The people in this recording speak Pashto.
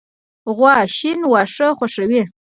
غوا شین واښه خوښوي.